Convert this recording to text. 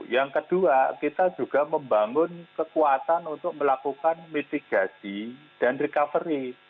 yang kedua kita juga membangun kekuatan untuk melakukan mitigasi dan recovery